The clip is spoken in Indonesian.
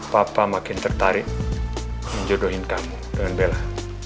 papa makin tertarik menjodohin kamu dengan bella